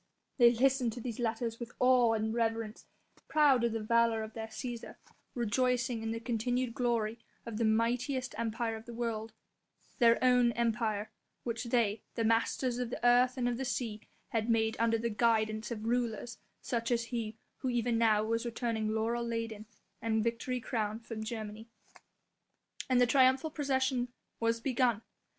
They listened to these letters with awe and reverence proud of the valour of their Cæsar, rejoicing in the continued glory of the mightiest Empire of the world their own Empire which they, the masters of the earth and of the sea, had made under the guidance of rulers such as he who even now was returning laurel laden and victory crowned from Germany. And the triumphal procession was begun.